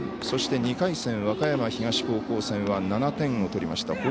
そして２回戦、和歌山東戦は７点を取りました。